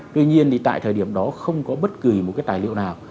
tuy nhiên thì tại thời điểm đó không có bất kỳ một cái tài liệu nào